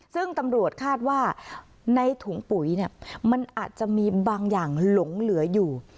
ซึ่งตำรวจคาดว่าในถุงปุ๋ยมันอาจจะมีบางอย่างหลงเหลืออยู่